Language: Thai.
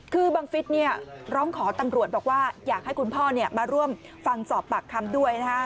คือบังฟิศร้องขอตำรวจบอกว่าอยากให้คุณพ่อมาร่วมฟังสอบปากคำด้วยนะฮะ